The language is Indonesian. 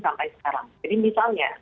sampai sekarang jadi misalnya